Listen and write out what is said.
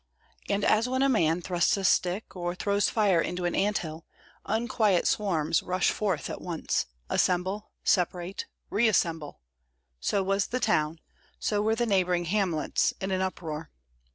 And as when a man thrusts a stick or throws fire into an ant hill, unquiet swarms rush forth at once, assemble, separate, reassemble; so was the town, so were the neighboring hamlets, in an uproar.